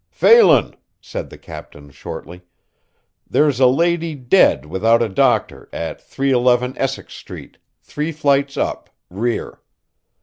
"Phelan," said the captain shortly, "there's a lady dead without a doctor at 311 Essex street, three flights up, rear.